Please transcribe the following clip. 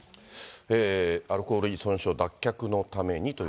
アルコール依存症脱却のためにという。